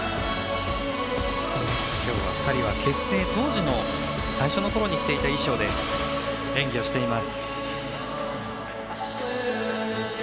今日は２人は結成当時の最初の頃に着ていた衣装で演技をしています。